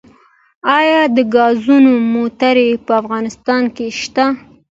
آیا د ګازو موټرې په افغانستان کې شته؟